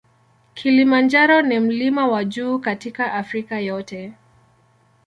Kilimanjaro na mlima wa juu katika Afrika yote.